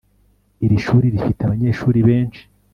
iri shuri rifite abanyeshuri benshi